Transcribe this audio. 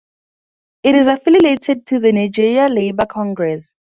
It is affiliated to the Nigeria Labour Congress.